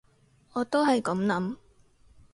我都係噉諗